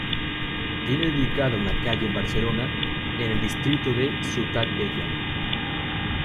Tiene dedicada una calle en Barcelona, en el distrito de Ciutat Vella.